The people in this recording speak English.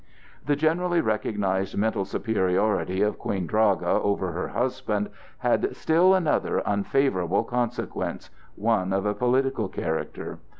The generally recognized mental superiority of Queen Draga over her husband had still another unfavorable consequence,—one of a political character.